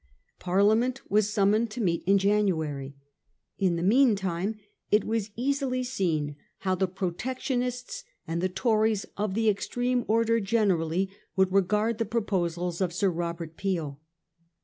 Parliament was summoned to meet in January. In the meantime it was easily seen how the Pro tectionists and the Tories of the extreme order gene rally would regard the proposals of Sir Robert Peel.